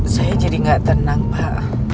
saya jadi nggak tenang pak